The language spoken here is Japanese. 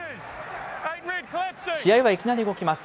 試合はいきなり動きます。